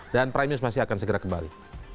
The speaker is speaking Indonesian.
dan prime news masih akan segera kembali